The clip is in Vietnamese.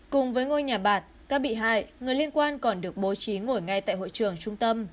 cùng với ngôi nhà bạc các bị hại người liên quan còn được bố trí ngồi ngay tại hội trường trung tâm